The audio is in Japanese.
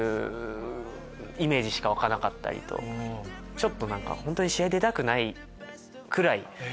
ちょっと本当に試合出たくないくらい。